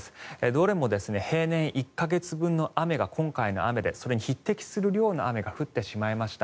どれも平年１か月分の雨が今回の雨でそれに匹敵する量の雨が降ってしまいました。